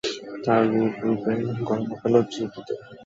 তাঁর রূপ রূপের গর্বকে লজ্জা দিত।